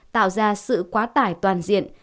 tạo ra sự quá tải toàn diện